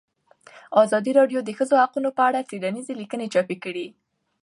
ازادي راډیو د د ښځو حقونه په اړه څېړنیزې لیکنې چاپ کړي.